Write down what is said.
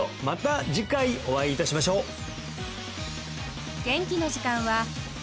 また次回お会いいたしましょう！